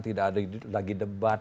tidak ada lagi debat